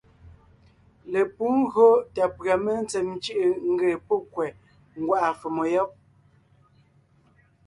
Lepǔ ńgÿo tà pʉ̀a mentsèm cʉ̀ʼʉ ńgee pɔ́ kwɛ̀ ńgwá’a fòmo yɔ́b.